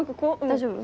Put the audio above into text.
大丈夫？